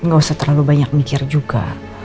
gak usah terlalu banyak mikir juga